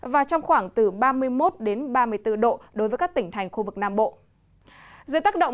và trong khoảng từ ba mươi một ba mươi bốn độ đối với các tỉnh thành khu vực nam bộ